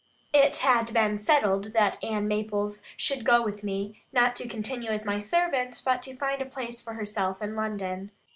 It had been settled that Ann Maples should go with me, not to continue as my servant, but to find a place for herself in London.